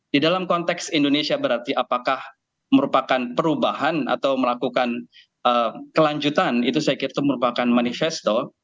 di dalam konteks indonesia berarti apakah merupakan perubahan atau melakukan kelanjutan itu saya kira itu merupakan manifesto